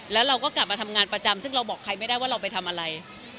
แล้วเราก็กลับมาทำงานประจำซึ่งเราบอกใครไม่ได้ว่าเราไปทำอะไร